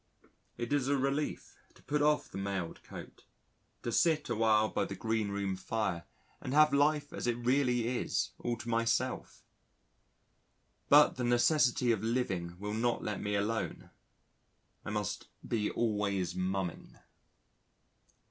It is a relief to put off the mailed coat, to sit awhile by the green room fire and have life as it really is, all to myself. But the necessity of living will not let me alone. I must be always mumming.